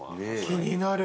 気になる。